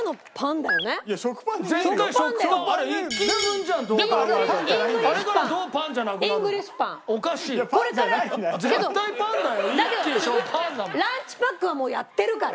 だけどランチパックはもうやってるから。